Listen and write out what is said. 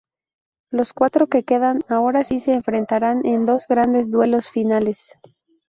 Los cuatro que quedan, ahora sí, se enfrentarán en dos grandes duelos finales.